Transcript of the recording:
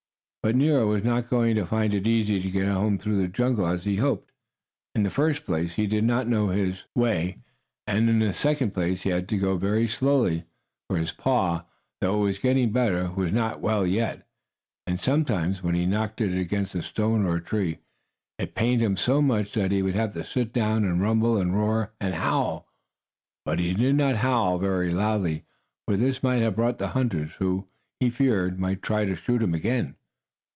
But Nero was not going to find it as easy to get home through the jungle as he had hoped. In the first place, he did not know his way, and, in the second place, he had to go very slowly. For his paw, though it was getting better, was not well yet, and sometimes, when he knocked it against a stone or a tree, it pained him so that he would have to sit down and rumble and roar and howl. But he did not howl very loudly, for this might have brought the hunters, who, he feared, might try to shoot him again.